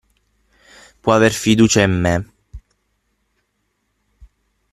Può aver fiducia in me.